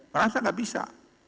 merasa enggak bisa